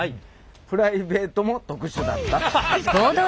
プライベートも特殊だった。